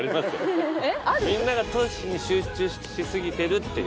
みんなが都市に集中し過ぎてるっていう。